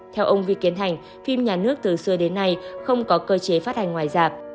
theo ông vi kiến thành phim nhà nước từ xưa đến nay không có cơ chế phát hành ngoài dạng